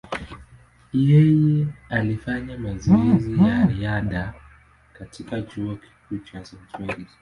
Yeye alifanya mazoezi ya riadha katika chuo kikuu cha St. Mary’s.